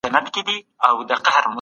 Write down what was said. صنعتي فابریکې څنګه د برېښنا اړتیا لري؟